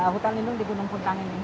hutan lindung di gunung puntang ini